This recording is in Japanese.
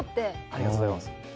ありがとうございます。